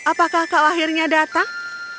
apakah kau akhirnya datang